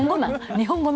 日本語の？